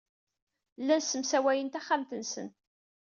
Llan ssemsawayen taxxamt-nsen.